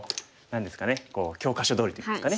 教科書どおりといいますかね。